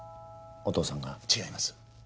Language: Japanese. お父さんが？違います。